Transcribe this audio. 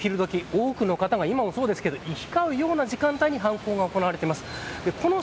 多くの方が今もそうですけど行き交うような時間帯に犯行が行われています。